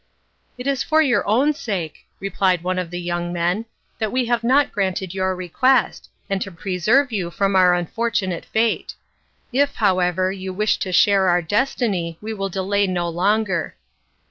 "It is for your own sake," replied one of the young men, "that we have not granted your request, and to preserve you from our unfortunate fate. If, however, you wish to share our destiny we will delay no longer."